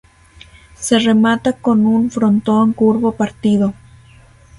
Se remata con un frontón curvo partido.